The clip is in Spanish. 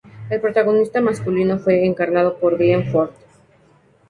El protagonista masculino fue encarnado por Glenn Ford.